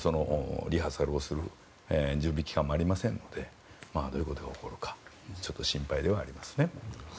リハーサルをする準備期間がありませんのでどういうことが起こるか心配ではありますね。